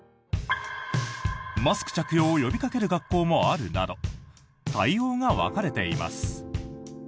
マスク着用を呼びかける学校もあるなど対応が分かれています。